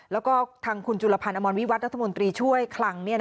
แล้วก็ทางคุณจุลพันธ์อมรวิวัตรรัฐมนตรีช่วยคลัง